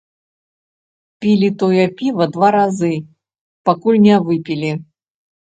Пілі тое піва два разы, пакуль не выпілі.